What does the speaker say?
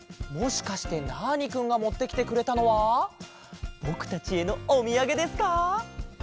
もしかしてナーニくんがもってきてくれたのはぼくたちへのおみやげですか？